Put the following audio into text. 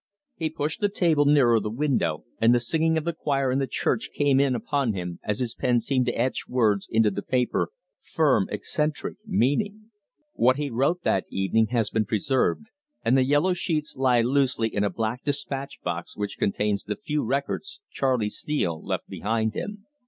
He pushed the table nearer the window, and the singing of the choir in the church came in upon him as his pen seemed to etch words into the paper, firm, eccentric, meaning. What he wrote that evening has been preserved, and the yellow sheets lie loosely in a black despatch box which contains the few records Charley Steele left behind him.